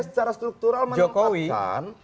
secara struktural menempatkan